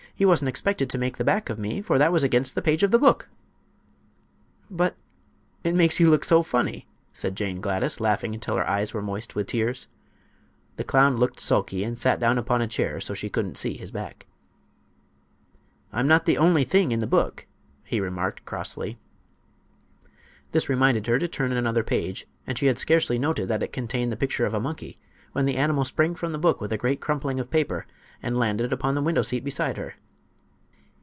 He wasn't expected to make the back of me, for that was against the page of the book." "But it makes you look so funny!" said Jane Gladys, laughing until her eyes were moist with tears. The clown looked sulky and sat down upon a chair so she couldn't see his back. "I'm not the only thing in the book," he remarked, crossly. This reminded her to turn another page, and she had scarcely noted that it contained the picture of a monkey when the animal sprang from the book with a great crumpling of paper and landed upon the window seat beside her.